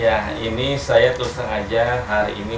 ya ini saya tersengaja hari ini